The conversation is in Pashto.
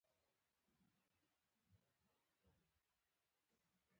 د ټولنیزو خدمتونو پراختیا د خلکو د ژوند کیفیت لوړوي.